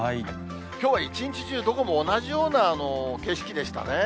きょうは一日中どこも同じような景色でしたね。